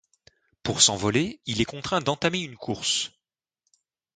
Pour s'envoler il est contraint d'entamer une course.